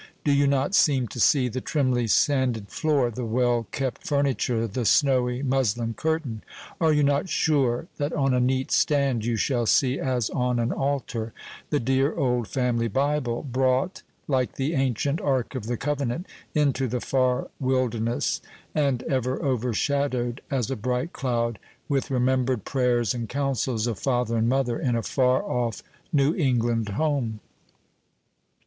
Do you not seem to see the trimly sanded floor, the well kept furniture, the snowy muslin curtain? Are you not sure that on a neat stand you shall see, as on an altar, the dear old family Bible, brought, like the ancient ark of the covenant, into the far wilderness, and ever overshadowed, as a bright cloud, with remembered prayers and counsels of father and mother, in a far off New England home?